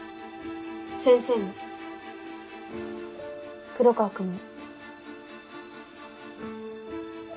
先生も黒川くんも。